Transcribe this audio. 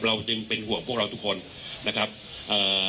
เราจึงเป็นห่วงพวกเราทุกคนนะครับเอ่อ